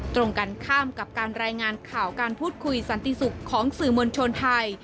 ตรงกันข้ามกับการรายงานข่าวการพูดคุยสันติสุขของสื่อมวลชนไทย